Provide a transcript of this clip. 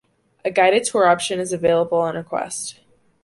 A guided tour option is available on request.